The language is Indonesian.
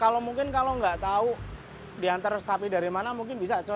kalau mungkin kalau nggak tahu diantar sapi dari mana mungkin bisa coba